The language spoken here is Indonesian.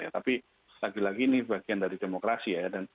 tapi lagi lagi ini bagian dari demokrasi ya